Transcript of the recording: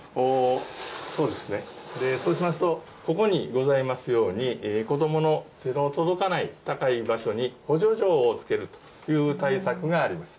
そうしますと、ここにございますように、子どもの手の届かない高い場所に、補助錠をつけるという対策があります。